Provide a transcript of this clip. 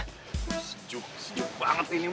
sejuk sejuk banget ini